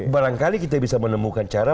barangkali kita bisa menemukan cara